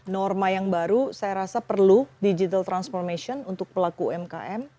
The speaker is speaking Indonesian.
norma yang baru saya rasa perlu digital transformation untuk pelaku umkm